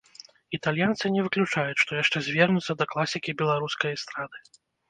Італьянцы не выключаюць, што яшчэ звернуцца да класікі беларускай эстрады.